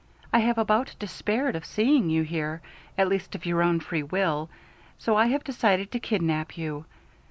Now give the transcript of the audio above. I have about despaired of seeing you here, at least of your own free will, so I have decided to kidnap you.